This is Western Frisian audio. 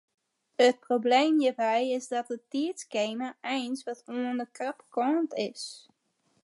It probleem hjirby is dat it tiidskema eins wat oan de krappe kant is.